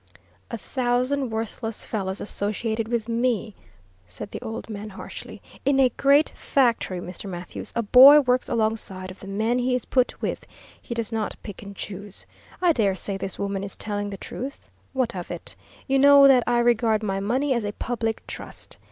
"A thousand worthless fellows associated with me," said the old man, harshly. "In a great factory, Mr. Mathews, a boy works alongside of the men he is put with; he does not pick and choose. I dare say this woman is telling the truth. What of it? You know that I regard my money as a public trust.